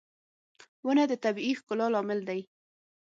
• ونه د طبيعي ښکلا لامل دی.